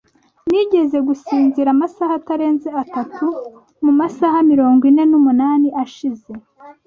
Nigeze gusinzira amasaha atarenze atatu mumasaha mirongo ine n'umunani ashize.